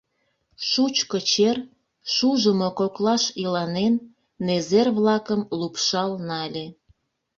Шучко чер, шужымо коклаш иланен, незер-влакым лупшал нале.